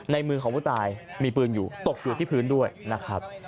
มือของผู้ตายมีปืนอยู่ตกอยู่ที่พื้นด้วยนะครับ